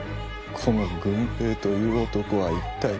この「郡平」という男は一体。